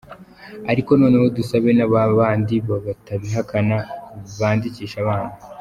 Ariko noneho dusabe na ba bandi batabihakana bandikishe abana.